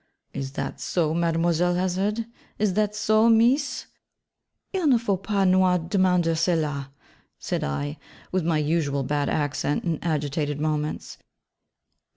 'Is that so, Mademoiselle Hazard? Is that so, Mees?' 'Il ne faut pas nous demander cela,' said I, with my usual bad accent in agitated moments.